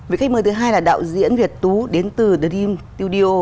vị khách mời thứ hai là đạo diễn việt tú đến từ dream studio